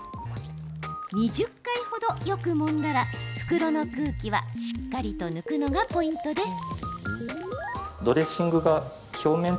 ２０回程よくもんだら袋の空気は、しっかりと抜くのがポイントです。